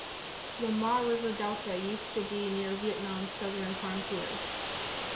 The Ma River Delta used to be near Vietnam's southern frontier.